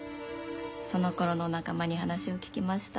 そのころのお仲間に話を聞きました。